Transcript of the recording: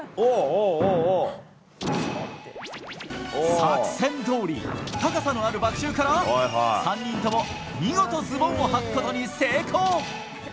作戦どおり高さのあるバク宙から３人とも見事ズボンをはくことに成功！